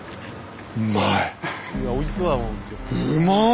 うまい。